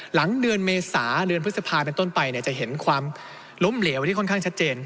หลังเดือนเมษาเดือนพฤษภาเป็นต้นไปจะเห็นความล้มเหลวที่ค่อนข้างชัดเจน